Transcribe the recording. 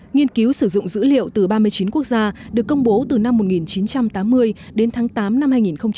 nghiên cứu sử dụng dữ liệu từ ba mươi chín quốc gia được công bố từ năm một nghìn chín trăm tám mươi đến tháng tám năm hai nghìn một mươi chín